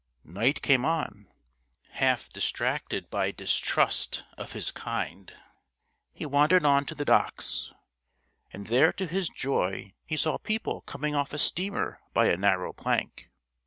Night came on. Half distracted by distrust of his kind, he wandered on to the docks, and there to his joy he saw people coming off a steamer by a narrow plank.